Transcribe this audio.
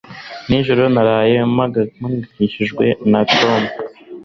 Nijoro naraye mpangayikishijwe na Tom